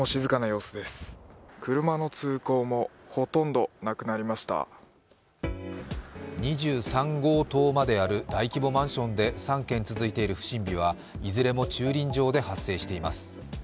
今日未明の同じ時刻、マンション周辺は２３号棟まである大規模マンションで３件続いている不審火はいずれも駐輪場で発生しています。